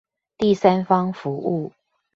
第三方服務